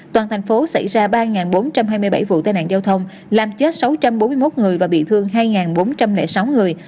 toàn thành phố xảy ra ba bốn trăm hai mươi bảy vụ tai nạn giao thông làm chết sáu trăm bốn mươi một người và bị thương hai bốn trăm linh sáu người